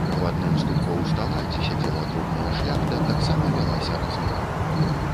У адным з куткоў стала, дзе сядзела дробная шляхта, таксама вялася размова.